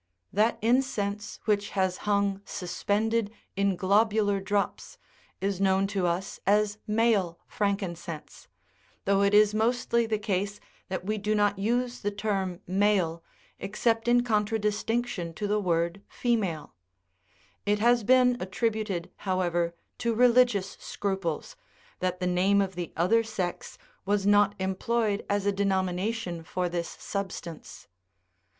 That incense which has hung suspended in globular drops is known to us as "male" frankincense, although it is mostly the case that we do not use the term " male" except in con tradistinction to the word "female:" it has been attributed, however, to religious scruples, that the name of the other sex was not employed as a denomination for this substance.